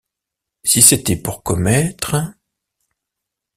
Si c’était pour commettre...